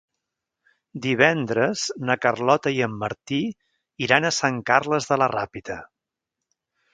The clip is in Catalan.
Divendres na Carlota i en Martí iran a Sant Carles de la Ràpita.